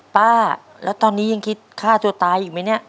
ป้าแล้วตอนนี้ยังคิดฆ่าตัวตายอีกไหมเนี่ย